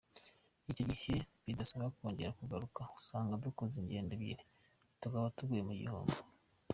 Icyo gihe bikadusaba kongera kugaruka, ugasanga dukoze ingendo ebyiri, tukaba tuguye mu gihombo”.